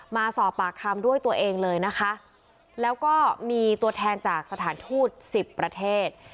มาสอบปากคำด้วยตัวเองเลยนะคะแล้วก็มีตัวแทนจากสถานทูตสิบประเทศ